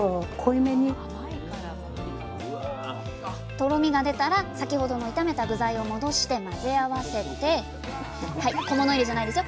とろみが出たら先ほどの炒めた具材を戻して混ぜ合わせて小物入れじゃないですよ。